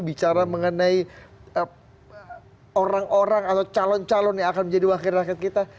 bicara mengenai orang orang atau calon calon yang akan menjadi wakil rakyat kita